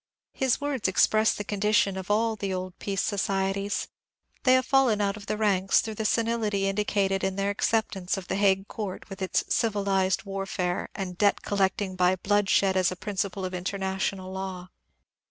His words express the condition of all the old peace societies. They have fallen out of the ranks through the senility indicated in their acceptance of the Hague Court with its " civilized warfare," and debt collect ing by bloodshed as a principle of international law.